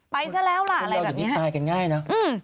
ไปซะแล้วล่ะอะไรแบบนี้ครับอืมคนเดี๋ยวอยู่ดีตายกันง่ายนะ